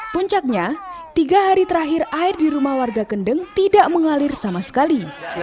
puncaknya tiga hari terakhir air di rumah warga kendeng tidak mengalir sama sekali